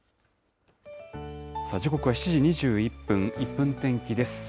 時刻は７時２１分、１分天気です。